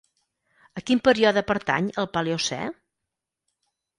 A quin període pertany el Paleocè?